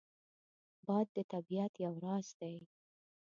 باد د طبیعت یو راز دی